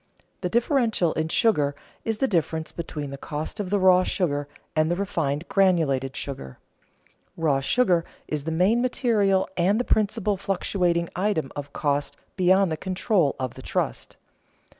The differential in sugar is the difference between the cost of the raw sugar and the refined granulated sugar. Raw sugar is the main material and the principal fluctuating item of cost beyond the control of the trust.